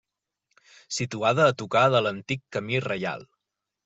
Situada a tocar de l’antic Camí Reial.